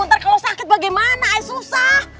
ntar kalau sakit bagaimana susah